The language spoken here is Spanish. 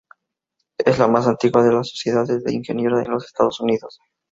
Es la más antigua de las sociedades de ingeniería en los Estados Unidos.